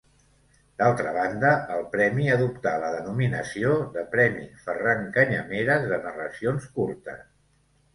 D’altra banda, el premi adoptà la denominació de Premi Ferran Canyameres de narracions curtes.